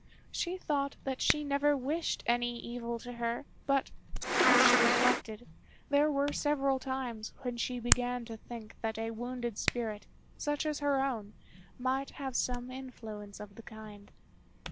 She thought that she never wished any evil to her; but, when she reflected, there were several times when she began to think that a wounded spirit, such as her own, might have some influence of the kind.